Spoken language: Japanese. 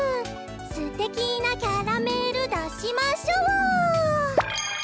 「すてきなキャラメルだしましょう！」